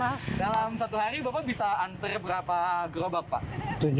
dalam satu hari bapak bisa antre berapa gerobak pak